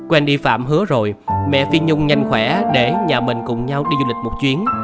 wendy pham hứa rồi mẹ phi nhung nhanh khỏe để nhà mình cùng nhau đi du lịch một chuyến